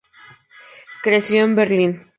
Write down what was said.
Creció en Berlín.